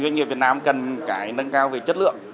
doanh nghiệp việt nam cần cái nâng cao về chất lượng